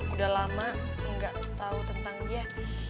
udah lama gak tau tentang dia